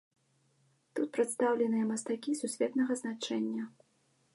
Тут прадстаўленыя мастакі сусветнага значэння.